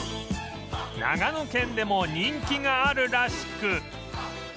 長野県でも人気があるらしく